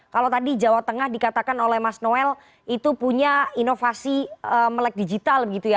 kalau tadi jawa tengah dikatakan oleh mas noel itu punya inovasi melek digital gitu ya